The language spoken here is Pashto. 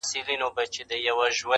له سهاره تر ماښامه په ژړا یو؛